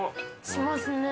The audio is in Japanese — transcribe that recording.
しますね。